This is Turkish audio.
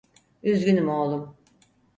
Üzgünüm oğlum.